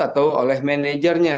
atau oleh managernya